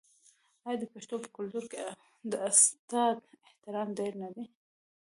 آیا د پښتنو په کلتور کې د استاد احترام ډیر نه دی؟